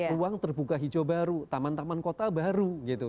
ruang terbuka hijau baru taman taman kota baru gitu